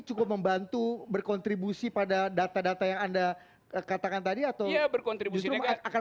cukup membantu berkontribusi pada data data yang anda katakan tadi atau berkontribusi akan